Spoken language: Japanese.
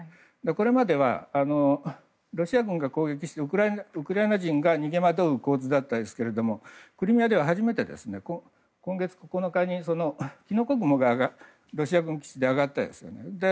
これまではロシア軍が攻撃してウクライナ人が逃げ惑う構図だったですけれどもクリミアでは、初めて今月９日にきのこ雲がロシア軍基地で上がったんですね。